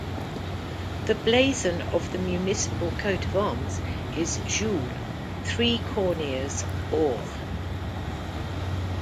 The blazon of the municipal coat of arms is Gules, three Corn Ears Or.